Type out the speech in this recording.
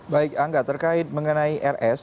baik angga terkait mengenai rs